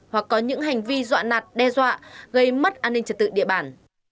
hoặc có những hành vi dọa nạt đe dọa gây mất an ninh trật tự địa bàn